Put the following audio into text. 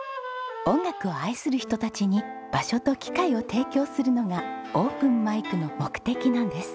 音楽を愛する人たちに場所と機会を提供するのがオープンマイクの目的なんです。